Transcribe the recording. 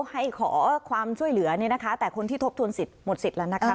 ให้ขอความช่วยเหลือเนี่ยนะคะแต่คนที่ทบทวนสิทธิหมดสิทธิ์แล้วนะคะ